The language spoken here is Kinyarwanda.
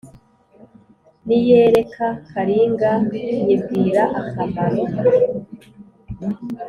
Niyereka Karinga nyibwira akamaro